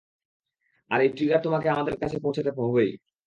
আর এই ট্রিগার তোমাকে আমাদের কাছে পৌঁছাতে হবেই।